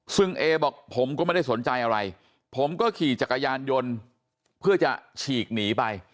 ซึ่งเอบอกผมก็ไม่ได้สนใจอะไรผมก็ขี่จักรยานยนต์เพื่อจะฉีกหนีไป